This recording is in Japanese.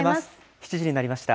７時になりました。